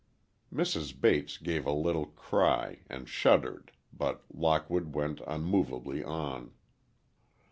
Mrs. Bates gave a little cry, and shuddered, but Lockwood went unmovably on.